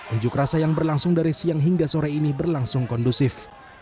unjuk rasa yang berlangsung dari siang hingga sore ini berlangsung kondusif